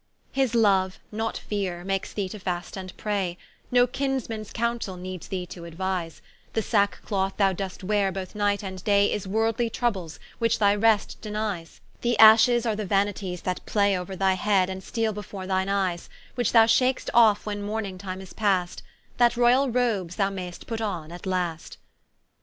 His loue, not Feare, makes thee to fast and pray, No kinsmans counsell needs thee to aduise; The sack cloth thou do'st weare both night and day Is worldly troubles, which thy rest denies; The ashes are the Vanities that play Ouer thy head, and steale before thine eyes; Which thou shak'st off when mourning time is past, That royall roabes thou may'st put on at last.